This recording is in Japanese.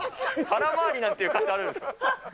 腹回りなんて歌詞あるんですか？